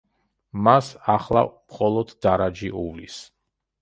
მას ახლა მხოლოდ დარაჯი უვლის.